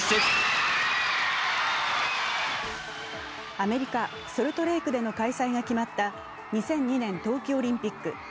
アメリカ・ソルトレークでの開催が決まった２００２年冬季オリンピック。